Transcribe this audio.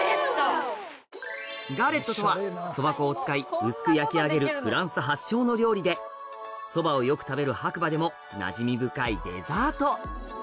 ガレットとはそば粉を使い薄く焼き上げるフランス発祥の料理で蕎麦をよく食べる白馬でもなじみ深いデザート